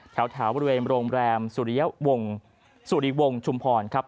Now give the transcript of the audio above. แถวบริเวณโรงแบรมสุริวงชุมพรครับ